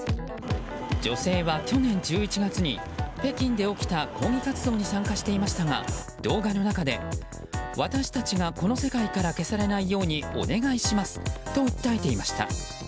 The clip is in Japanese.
女性は去年１１月に北京で起きた抗議活動に参加していましたが動画の中で私たちがこの世界から消されないようにお願いしますと訴えていました。